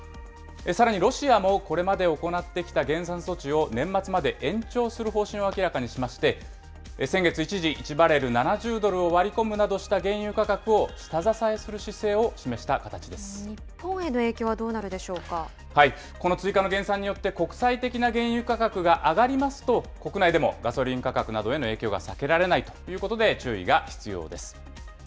さらにロシアもこれまで行ってきた減産措置を年末まで延長する方針を明らかにしまして、先月、一時１バレル７０ドルを割り込むなどした原油価格を下支えする姿日本への影響はどうなるでしこの追加の減産によって、国際的な原油価格が上がりますと、国内でもガソリン価格などへの影響が避けられないということで、注意が必要です。